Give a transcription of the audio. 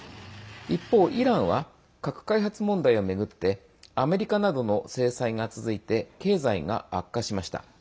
一方、イランは核開発問題を巡ってアメリカなどの制裁が続いて経済が悪化しました。